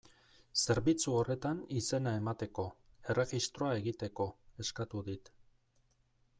Zerbitzu horretan izena emateko, erregistroa egiteko, eskatu dit.